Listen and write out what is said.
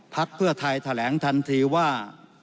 พักเพื่อไทยแถลงทันทีว่า